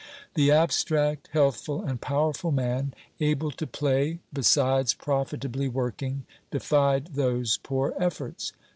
The abstract, healthful and powerful man, able to play besides profitably working, defied those poor efforts.